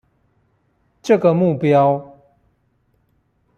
這個目標